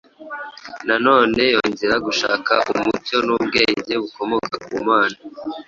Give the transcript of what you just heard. na none yongera gushaka umucyo n’ubwenge bukomoka ku Mana.